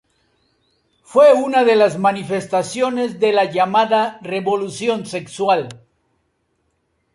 Fue una de las manifestaciones de la llamada revolución sexual.